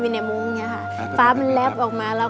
ทั้งในเรื่องของการทำงานเคยทำนานแล้วเกิดปัญหาน้อย